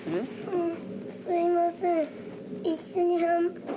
うん。